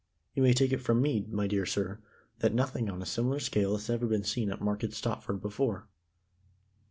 You may take it from me, my dear sir, that nothing on a similar scale has even been seen at Market Stopford before."